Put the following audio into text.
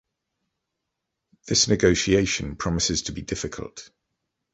This negotiation promises to be difficult.